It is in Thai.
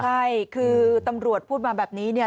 ใช่คือตำรวจพูดมาแบบนี้เนี่ย